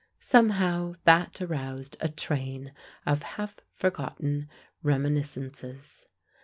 Somehow that aroused a train of half forgotten reminiscences.